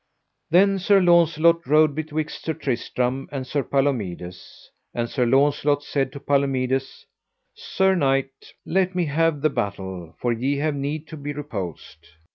Then Sir Launcelot rode betwixt Sir Tristram and Sir Palomides, and Sir Launcelot said to Palomides: Sir knight, let me have the battle, for ye have need to be reposed.